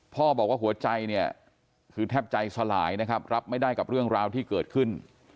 พ่อบอกว่าหัวใจเนี่ยคือแทบใจสลายนะครับรับไม่ได้กับเรื่องราวที่เกิดขึ้น